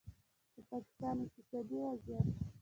د پاکستان اقتصادي وضعیت